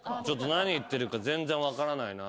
何言ってるか全然分からないな。